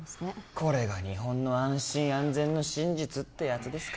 これが日本の安心安全の真実ってやつですか